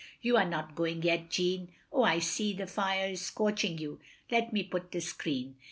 "You are not going yet, Jeanne? Oh, I see, the fire is scorching you; let me put this screen.